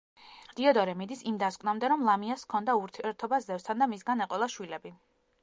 დიოდორე მიდის იმ დასკვნამდე, რომ ლამიას ჰქონდა ურთიერთობა ზევსთან და მისგან ეყოლა შვილები.